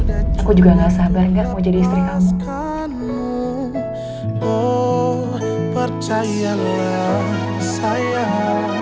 aku juga nggak sabar nga mau jadi istri kamu